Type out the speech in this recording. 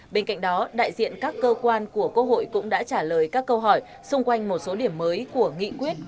bên cạnh đó đại diện các cơ quan của quốc hội cũng đã trả lời các câu hỏi xung quanh một số điểm mới của nghị quyết